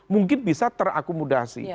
mungkin bisa terakomodasi